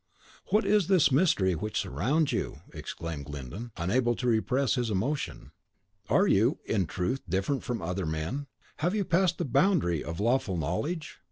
"What is this mystery which surrounds you?" exclaimed Glyndon, unable to repress his emotion. "Are you, in truth, different from other men? Have you passed the boundary of lawful knowledge?